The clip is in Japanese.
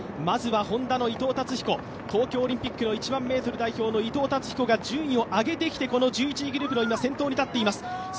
まずは、Ｈｏｎｄａの伊藤達彦、東京オリンピックの１００００ｍ代表の伊藤達彦が順位を上げてきて、１１位グループの先頭に立っています。